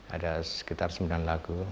ada sekitar sembilan lagu